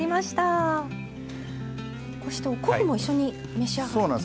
こうしてお昆布も一緒に召し上がって。